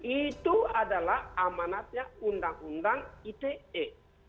itu adalah amanatnya undang undang ite